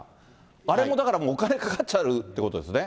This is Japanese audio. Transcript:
あれもだからもう、お金かかっちゃうってことですね。